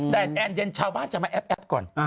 แต่แอนด์เย็นชาวบ้านเขาจะมาแอปก่อน